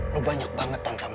lo banyak banget tantangannya